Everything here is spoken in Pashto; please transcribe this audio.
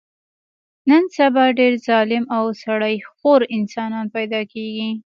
نن سبا ډېر ظالم او سړي خور انسانان پیدا کېږي.